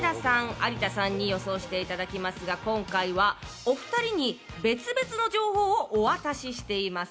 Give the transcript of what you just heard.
有田さんに予想して頂きますが今回はお二人に別々の情報をお渡ししています。